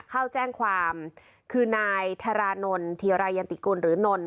เข้าแจ้งความคือนายธารานนท์เทียรายันติกุลหรือนน